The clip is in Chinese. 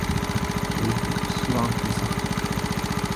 首府锡拉库萨。